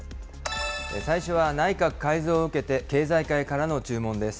最初は内閣改造を受けて経済界からの注文です。